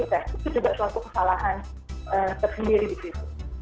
itu juga suatu kesalahan tersendiri di situ